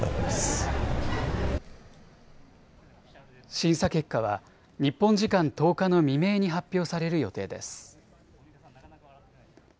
審査結果は日本時間１０日の未明に発表される予定です。